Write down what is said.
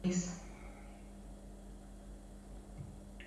La producción de frutos es continua con dos picos anuales.